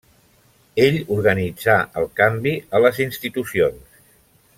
Ell organitzà el canvi a les institucions.